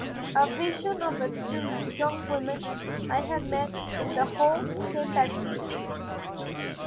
A vision of the two young women I had met in the hall came back to me.